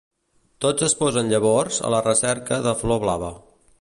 Tots es posen llavors a la recerca de Flor Blava.